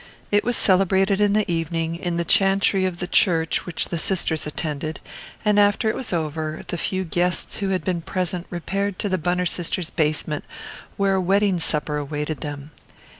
It was celebrated in the evening, in the chantry of the church which the sisters attended, and after it was over the few guests who had been present repaired to the Bunner Sisters' basement, where a wedding supper awaited them.